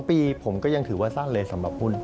ปีผมก็ยังถือว่าสั้นเลยสำหรับหุ้น